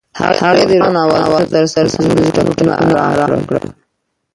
هغې د روښانه اوازونو ترڅنګ د زړونو ټپونه آرام کړل.